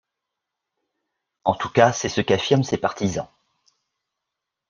En tout cas c'est ce qu'affirment ses partisans.